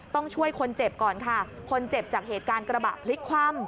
ต้องช่วยคนเจ็บก่อนค่ะคนเจ็บจากเหตุการณ์กระบะพลิกคว่ำ